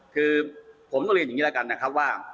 คือผมต้องเรียนอย่างนี้แล้วกันนะครับว่า